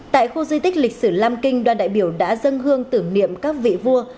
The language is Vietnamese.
tại khu di tích lịch sử lam kinh đoàn đại biểu đã dâng hương tưởng niệm các vị vua